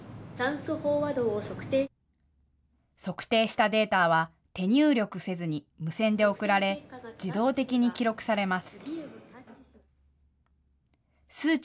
測定したデータは手入力せずに無線で送られ自動的に記録されます。